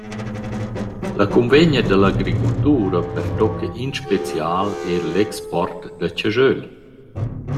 La cunvegna da l’agricultura pertocca in special eir l’export da chaschöl.